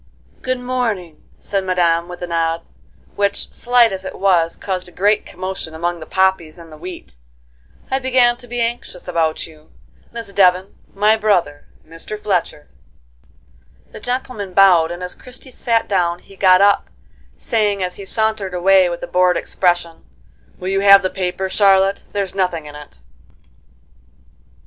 "Good morning," said Madame with a nod, which, slight as it was, caused a great commotion among the poppies and the wheat; "I began to be anxious about you. Miss Devon, my brother, Mr. Fletcher." The gentleman bowed, and as Christie sat down he got up, saying, as he sauntered away with a bored expression: "Will you have the paper, Charlotte? There's nothing in it."